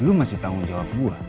lu masih tanggung jawab gue